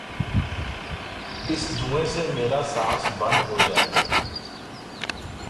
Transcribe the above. اس دھویں سے میرا سانس بند ہو جائے گا